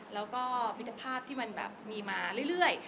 แล้วก็มิตรภาพที่มันแบบมีมาเรื่อย